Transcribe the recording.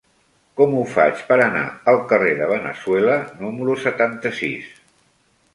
Com ho faig per anar al carrer de Veneçuela número setanta-sis?